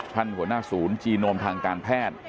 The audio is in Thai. หัวหน้าศูนย์จีโนมทางการแพทย์